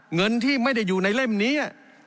เงินที่ไม่ได้อยู่ในเล่มนี้